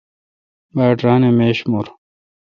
باڑ ران اہ میش مور۔